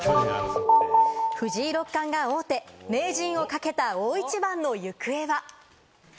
藤井六冠が大手、名人をかけた大一番の行方は？